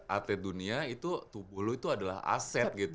atlet dunia itu tubuh lo itu adalah aset gitu